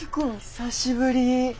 久しぶり！